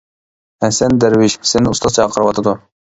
— ھەسەن دەرۋىش، سېنى ئۇستاز چاقىرىۋاتىدۇ.